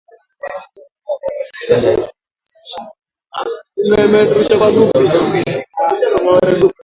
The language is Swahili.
Ikiongezea kwamba “Kigali haijihusishi kwa namna yoyote na mashambulizi ya waasi hao nchini Jamhuri ya kidemokrasia ya Kongo."